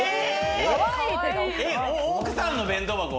奥さんの弁当箱？